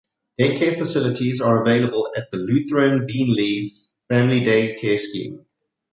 Day care facilities are available at the Lutheran Beenleigh Family Day Care Scheme.